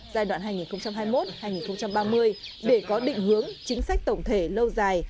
giai đoạn hai nghìn hai mươi một hai nghìn ba mươi để có định hướng chính sách tổng thể lâu dài